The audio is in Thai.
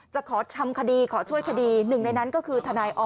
ขอทำคดีขอช่วยคดีหนึ่งในนั้นก็คือทนายอ